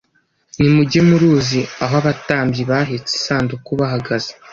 nimujye mu ruzi aho abatambyi bahetse isanduku bahagaze